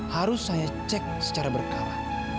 harus saya cek secara berkala